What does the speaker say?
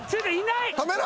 止めろ！